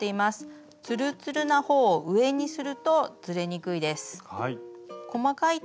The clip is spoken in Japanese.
ツルツルなほうを上にするとずれにくいです。